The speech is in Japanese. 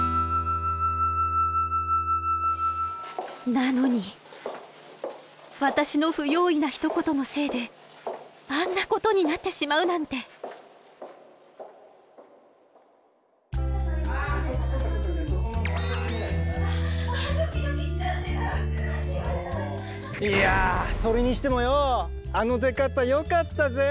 なのに私の不用意なひと言のせいであんなことになってしまうなんて。いやそれにしてもよあの出方よかったぜ！